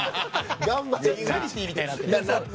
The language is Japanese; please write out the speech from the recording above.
チャリティーみたいになって。